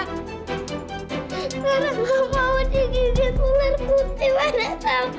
karena aku mau dikikit ular putih mana takut